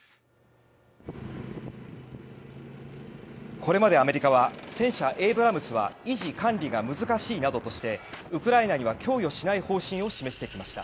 これまでアメリカは戦車エイブラムスは維持・管理が難しいなどとしてウクライナには供与しない方針を示してきました。